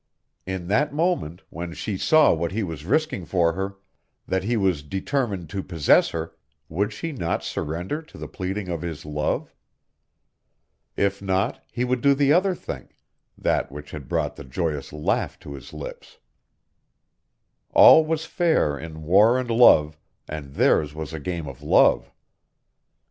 In that moment, when she saw what he was risking for her, that he was determined to possess her, would she not surrender to the pleading of his love? If not he would do the other thing that which had brought the joyous laugh to his lips. All was fair in war and love, and theirs was a game of love.